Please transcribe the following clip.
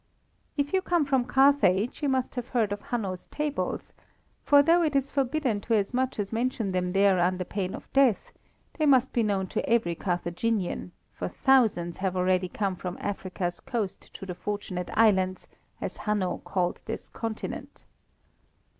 "If you come from Carthage, you must have heard of Hanno's tables, for though it is forbidden to as much as mention them there under pain of death, they must be known to every Carthaginian, for thousands have already come from Africa's coasts to the Fortunate Islands as Hanno called this continent."